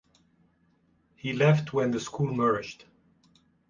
He left when the school merged.